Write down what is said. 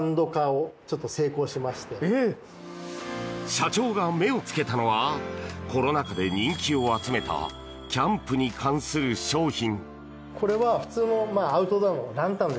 社長が目をつけたのはコロナ禍で人気を集めたキャンプに関する商品！